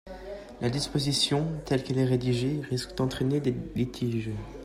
La disposition, telle qu’elle est rédigée, risque d’entraîner des litiges.